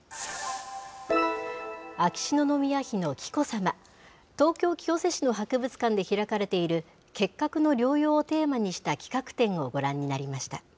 秋篠宮妃の紀子さま、東京・清瀬市の博物館で開かれている結核の療養をテーマにした企画展をご覧になりました。